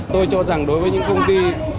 tôi cho rằng đối với những công ty